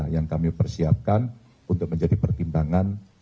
yang kami persiapkan untuk menjadi pertimbangan